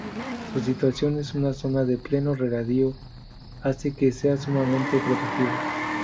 Su situación en una zona de pleno regadío hace que sea sumamente productiva.